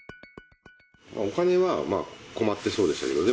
お金は困ってそうでしたけどね。